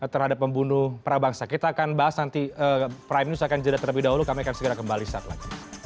terhadap pembunuh prabangsa kita akan bahas nanti prime news akan jadi terlebih dahulu kami akan segera kembali saat lagi